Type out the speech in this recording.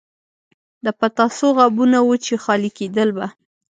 د پتاسو غابونه وو چې خالي کېدل به.